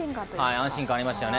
安心感ありましたよね。